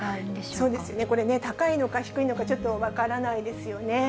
そうですね、これね、高いのか、低いのか、ちょっと分からないですよね。